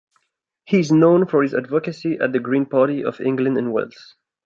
He is known for his advocacy of the Green Party of England and Wales.